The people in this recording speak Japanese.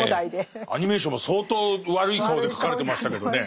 アニメーションも相当悪い顔で描かれてましたけどね。